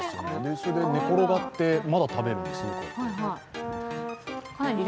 それで、寝転がってまだ食べるんですよね。